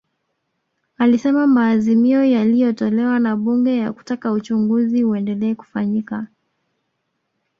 Alisema maazimio yaliyotolewa na Bunge ya kutaka uchunguzi uendelee kufanyika